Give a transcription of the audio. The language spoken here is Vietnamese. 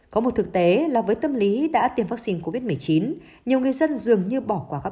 có một thực tế là với tâm lý đã tiêm vắc xin covid một mươi chín nhiều người dân dường như bỏ qua các